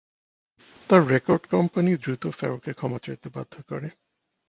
তার record company দ্রুত ফেরোকে ক্ষমা চাইতে বাধ্য করে।